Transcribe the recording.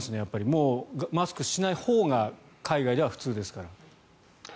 もうマスクしないほうが海外では普通ですから。